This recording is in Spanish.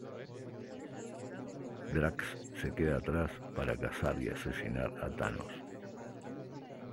Drax se queda atrás para cazar y asesinar a Thanos.